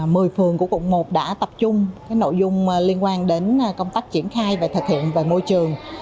mười phường của quận một đã tập trung nội dung liên quan đến công tác triển khai và thực hiện về môi trường